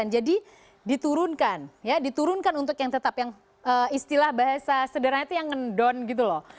jadi diturunkan ya diturunkan untuk yang tetap yang istilah bahasa sederhana itu yang ngedon gitu loh